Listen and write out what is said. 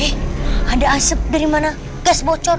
eh ada asap dari mana gas bocor